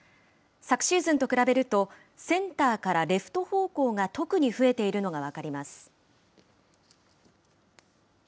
昨シーズンと比べると、センターからレフト方向が特に増えているのが分かります。